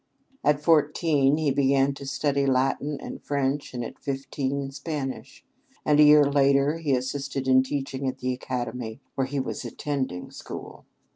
At fourteen he began to study Latin and French, and at fifteen, Spanish; and a year later he assisted in teaching at the academy where he was attending school.